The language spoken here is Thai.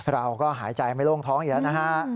เราก็หายใจไม่โล่งท้องอีกแล้วนะฮะ